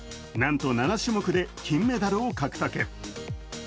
なんと７種目で金メダルを獲得。